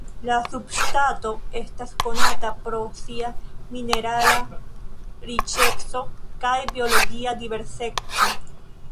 La subŝtato estas konata pro sia minerala riĉeco kaj biologia diverseco.